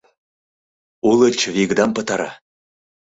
Уло чывигыдам пытара!